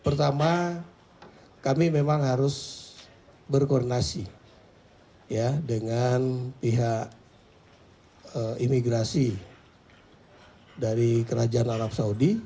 pertama kami memang harus berkoordinasi dengan pihak imigrasi dari kerajaan arab saudi